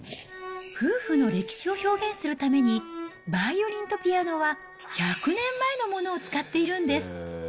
夫婦の歴史を表現するために、バイオリンとピアノは１００年前のものを使っているんです。